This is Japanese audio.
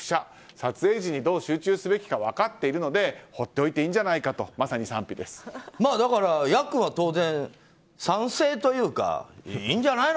撮影時にどう集中すべきか分かっているので放っておいていいんじゃないかとだから、ヤックンは当然賛成というかいいんじゃないの？